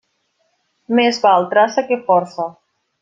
Més val traça que força.